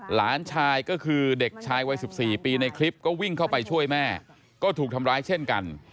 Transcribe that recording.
หลานชายก็คือเด็กชายวัย๑๔ปีในคลิปก็วิ่งเข้าไปช่วยแม่ก็ถูกทำร้ายเช่นกัน